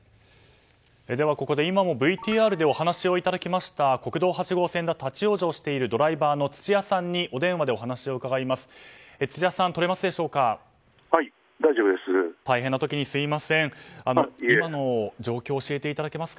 ここで今もＶＴＲでお話をいただきました国道８号線が立ち往生しているドライバーの土屋さんにお電話でお話を伺います。